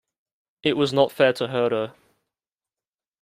It was not fair to hurt her.